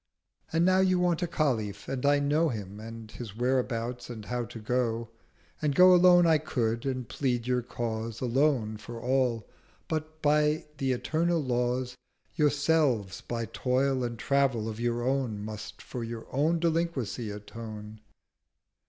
50 And now you want a Khalif: and I know Him, and his whereabout, and How to go: And go alone I could, and plead your cause Alone for all: but, by the eternal laws, Yourselves by Toil and Travel of your own Must for your old Delinquency atone.